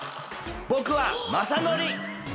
ぼくはまさのり！